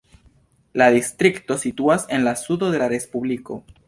La distrikto situas en la sudo de la respubliko.